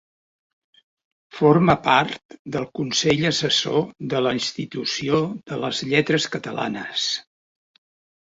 Forma part del Consell Assessor de la Institució de les Lletres Catalanes.